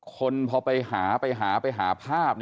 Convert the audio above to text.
คนพอไปหาไปหาไปหาภาพ